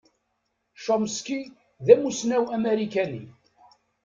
Chomsky d amussnaw amarikani.